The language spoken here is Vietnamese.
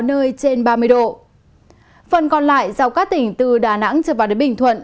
phần còn lại dạo các tỉnh từ đà nẵng trở vào đến bình thuận